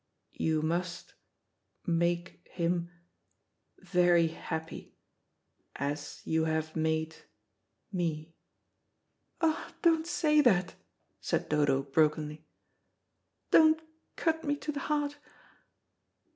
You must make him very happy as you have made me." "Ah, don't say that," said Dodo brokenly; "don't cut me to the heart."